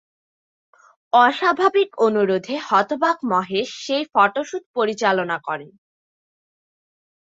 অস্বাভাবিক অনুরোধে হতবাক মহেশ সেই ফটো শ্যুট পরিচালনা করেন।